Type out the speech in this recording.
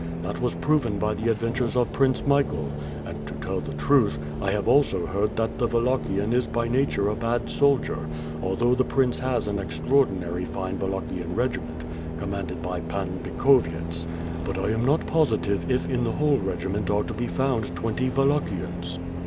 That was proven by the adventures of Prince Michael. And, to tell the truth, I have also heard that the Wallachian is by nature a bad soldier, al though the Prince has an extraordinary fine Wallachian regi ment commanded by Pan Bikhovyets. But I am not positive if in the whole regiment are to be found twenty Wallachians."